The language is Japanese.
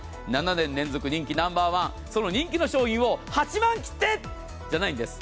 ７年連続人気ナンバーワン人気の商品を８万切ってじゃないんです。